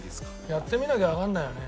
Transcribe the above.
やってみなきゃわからないよね。